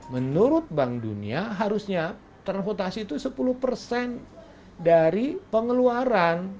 menurut bank dunia harusnya transportasi itu sepuluh persen dari pengeluaran